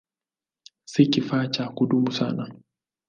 Si kifaa cha kudumu sana.